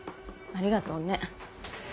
ありがとうね。